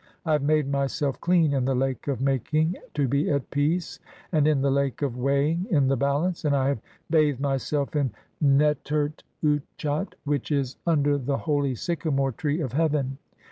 I have made myself clean in the Lake of "making to be at peace, [and in the Lake of] weighing in the "balance, and I have bathed myself in Netert utchat, which is "under the holy sycamore tree (8) of heaven.